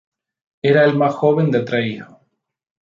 Era el más joven de tres hijos.